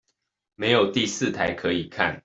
沒有第四台可以看